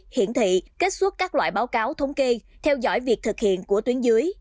hiển thị kết xuất các loại báo cáo thống kê theo dõi việc thực hiện của tuyến dưới